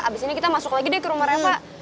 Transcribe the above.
abis ini kita masuk lagi deh ke rumah rema